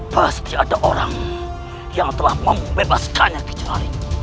pasti ada orang yang telah membebaskannya dicari